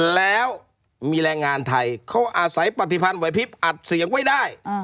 แล้วมีแรงงานไทยเขาอาศัยปฏิพันธ์ไหวพลิบอัดเสียงไว้ได้